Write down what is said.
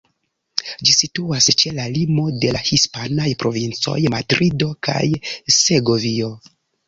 Ĝi situas ĉe la limo de la hispanaj provincoj Madrido kaj Segovio.